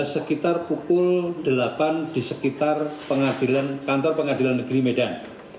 sekitar pukul delapan di sekitar kantor pengadilan negeri medan